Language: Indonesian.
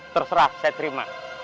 terserah saya terima